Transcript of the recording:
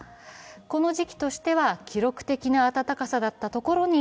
この時期としては記録的な暖かさだったところに